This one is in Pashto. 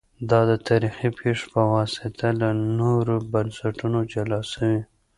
دا د تاریخي پېښو په واسطه له نورو بنسټونو جلا سوي